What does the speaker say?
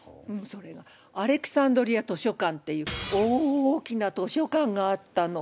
それがアレキサンドリア図書館っていう大きな図書館があったの。